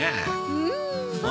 うん？